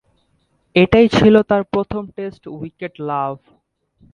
এটিই ছিল তার প্রথম টেস্ট উইকেট লাভ।